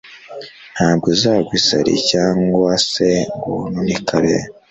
ntabwo uzagwa isari cyangwa se ngo wononekare.